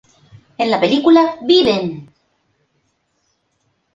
En la película "¡Viven!